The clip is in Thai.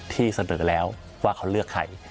ที่เสนอแล้วว่าเขาเลือกใคร